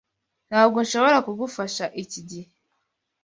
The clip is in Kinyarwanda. Ntabwo nshobora kugufasha iki gihe.